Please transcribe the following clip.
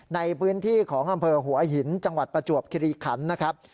ในพื้นที่ของอำเภอหัวหินจังหวัดประจวบคิริขันนะครับ